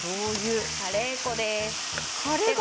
カレー粉です。